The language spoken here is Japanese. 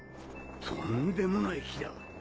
とんでもない気だ。